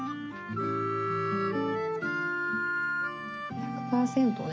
１００％ね